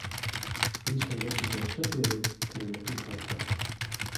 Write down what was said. These conditions are stipulated in a written contract.